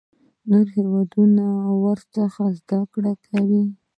نور هیوادونه ورڅخه زده کړه کوي.